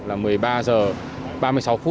là một mươi ba h ba mươi sáu phút